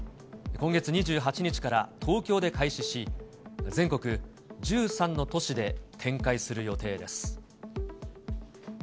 今月２８日から東京で開始し、全国１３の都市で展開する予定です。